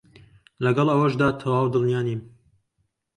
لەگەڵ ئەوەشدا تەواو دڵنیا نیم